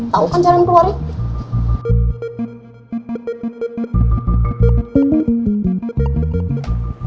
tau kan jalan keluarnya